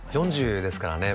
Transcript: ４０ですからね